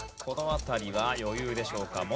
この辺りは余裕でしょうか？